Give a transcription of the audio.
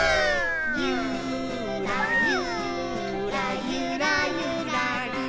「ゆーらゆーらゆらゆらりー」